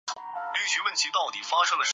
钻状风毛菊为菊科风毛菊属下的一个种。